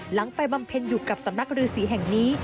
หลังไปบำเพ็ญอยู่กับสำนักรือศรีแห่งนี้